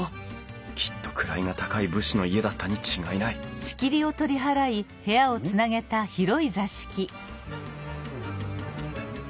きっと位が高い武士の家だったに違いないん？